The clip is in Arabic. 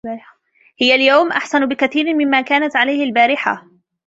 هي اليوم أحسن بكثير مما كانت عليه البارحة.